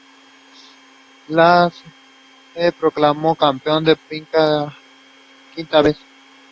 It lies beside the River Suck which separates County Roscommon and County Galway.